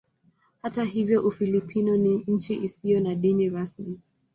Hata hivyo Ufilipino ni nchi isiyo na dini rasmi.